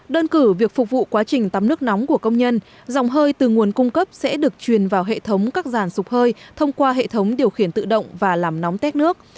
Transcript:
đơn cử việc phục vụ quá trình tắm nước nóng của công nhân dòng hơi từ nguồn cung cấp sẽ được truyền vào hệ thống các dàn sụp hơi thông qua hệ thống điều khiển tự động và làm nóng tét nước